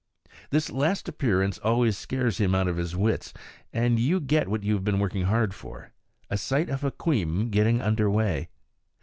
This last appearance always scares him out of his wits, and you get what you have been working hard for a sight of Hukweem getting under way.